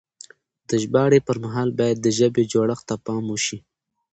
د ژباړې پر مهال بايد د ژبې جوړښت ته پام وشي.